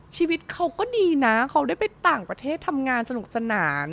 ชีวิตเขาก็ดีนะเขาได้ไปต่างประเทศทำงานสนุกสนาน